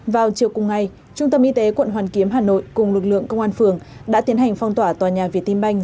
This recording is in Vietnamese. vào chiều cùng ngày trung tâm y tế quận hoàn kiếm hà nội cùng lực lượng công an phường đã tiến hành phong tỏa tòa nhà việt tin banh